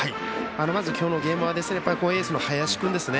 まず、今日のゲームはエースの林ですね。